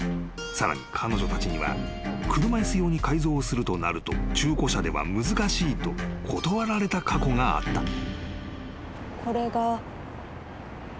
［さらに彼女たちには車椅子用に改造するとなると中古車では難しいと断られた過去があった］